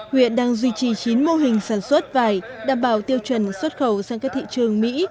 huyện đang duy trì chín mô hình sản xuất vải đảm bảo tiêu chuẩn xuất khẩu sang các thị trường mỹ